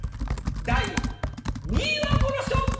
第２位はこの人！